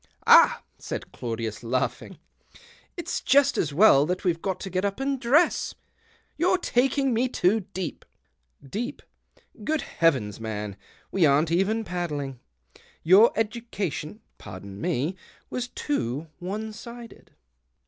"Ah," said Claudius, laughing; "it's just as well that we've got to get up and dress I You're taking me too deep." " Deep I Good heavens, man, we aren't even paddling ! Your education — pardon me —was too one sided.